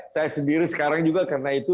saya sendiri sekarang juga karena itu